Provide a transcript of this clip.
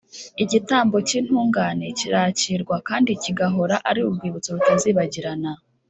Igitambo cy’intungane kirakirwa, kandi kigahora ari urwibutso rutazibagirana.